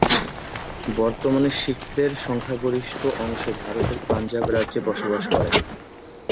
বর্তমানে শিখদের সংখ্যাগরিষ্ঠ অংশ ভারতের পাঞ্জাব রাজ্যে বসবাস করেন।